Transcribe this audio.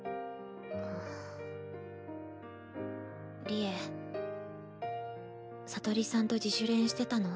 利恵聡里さんと自主練してたの？